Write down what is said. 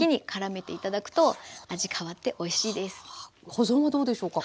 保存はどうでしょうか？